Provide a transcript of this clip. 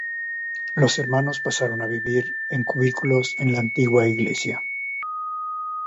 Los hermanos pasaron a vivir en cubículos en la antigua iglesia.